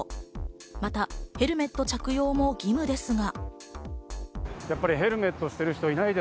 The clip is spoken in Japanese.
またヘルメット着用も義務ですが。